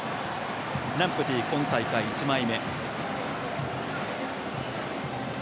ランプティ、今大会１枚目。